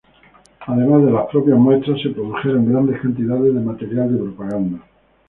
Además de las propias muestras, se produjeron grandes cantidades de material de propaganda.